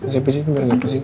saya pijetin baru gak pusing